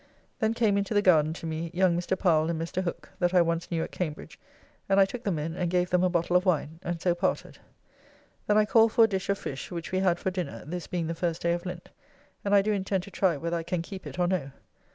Then came into the garden to me young Mr. Powell and Mr. Hooke that I once knew at Cambridge, and I took them in and gave them a bottle of wine, and so parted. Then I called for a dish of fish, which we had for dinner, this being the first day of Lent; and I do intend to try whether I can keep it or no.